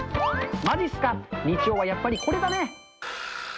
まじっすか日曜はやっぱりこれだね。